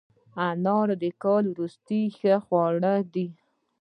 انار د کار وروسته ښه خواړه دي.